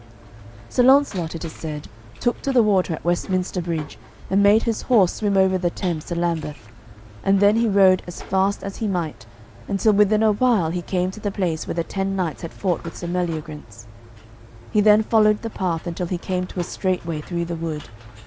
Sir Launcelot, it is said, took to the water at Westminster bridge and made his horse swim over the Thames to Lambeth; and then he rode as fast as he might, until within a while he came to the place where the ten knights had fought with Sir Meliagrance. He then followed the path until he came to a straight way through the wood.